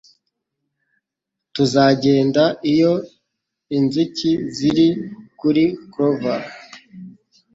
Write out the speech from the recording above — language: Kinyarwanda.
tuzagenda iyo inzuki ziri kuri clover